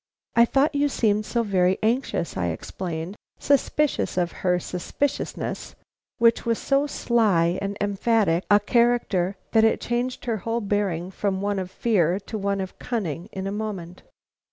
"I thought you seemed so very anxious," I explained, suspicious of her suspiciousness, which was of so sly and emphatic a character that it changed her whole bearing from one of fear to one of cunning in a moment.